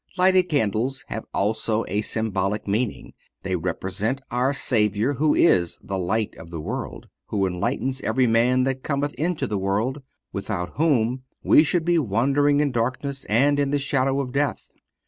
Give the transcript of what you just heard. Lighted candles have also a symbolical meaning. They represent our Savior, who is "the light of the world," "who enlighteneth every man that cometh into the world," without whom we should be wandering in darkness and in the shadow of death.